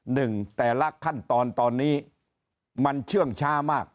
หนึ่งแต่ละขั้นตอนตอนนี้มันเชื่องช้ามาก